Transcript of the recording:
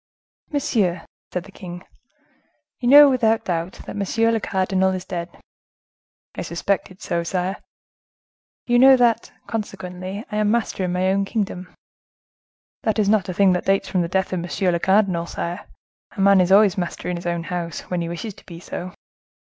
"Monsieur," said the king, "you know, without doubt, that monsieur le cardinal is dead?" "I suspected so, sire." "You know that, consequently, I am master in my own kingdom?" "That is not a thing that dates from the death of monsieur le cardinal, sire; a man is always master in his own house, when he wishes to be so."